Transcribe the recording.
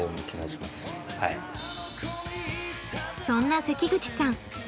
そんな関口さん